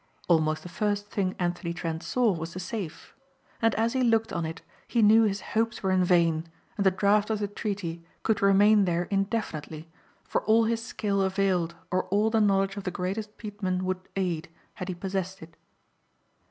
Almost the first thing Anthony Trent saw was the safe. And as he looked on it he knew his hopes were in vain and the draft of the treaty could remain there indefinitely for all his skill availed or all the knowledge of the greatest "petemen" would aid, had he possessed it.